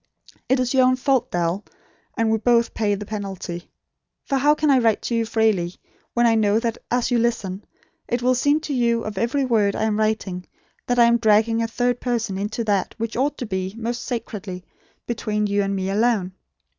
It is your own fault, Dal; and we both pay the penalty. For how can I write to you freely when I know, that as you listen, it will seem to you of every word I am writing, that I am dragging a third person into that which ought to be, most sacredly, between you and me alone.